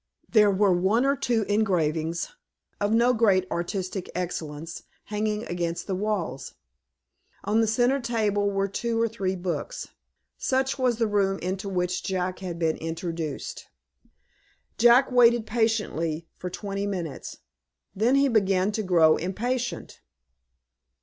There were one or two engravings, of no great artistic excellence, hanging against the walls. On the centre table were two or three books. Such was the room into which Jack had been introduced. Jack waited patiently for twenty minutes. Then he began to grow impatient.